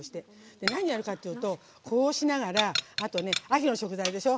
何をやるかっていうとこうしながら秋の食材でしょ。